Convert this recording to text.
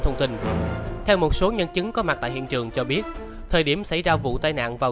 thông tin theo một số nhân chứng có mặt tại hiện trường cho biết thời điểm xảy ra vụ tai nạn vào